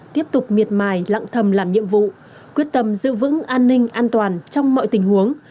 tiếp tục miệt mài lặng thầm làm nhiệm vụ quyết tâm giữ vững an ninh an toàn trong mọi tình huống